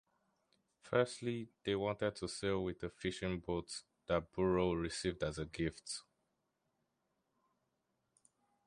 Firstly, they wanted to sail with a fishing boat, that Burow received as a gift.